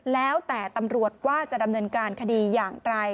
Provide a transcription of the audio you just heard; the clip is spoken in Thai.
แล้วแต่ตำรวจว่าจะดำเนินการคดีอย่างไร